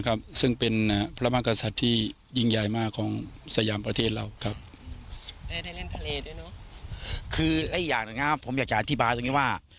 คืออีกอย่างนะครับผมอยากจะอธิบายตรงนี้ว่า